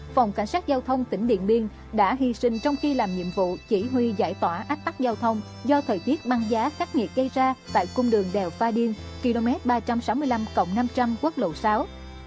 phòng cảnh sát giao thông tỉnh điện biên đã hy sinh trong khi làm nhiệm vụ chỉ huy giải tỏa ách tắc giao thông do thời tiết băng giá khắc nghiệt gây ra tại cung đường đèo pha điên km ba trăm sáu mươi năm năm trăm linh quốc lộ sáu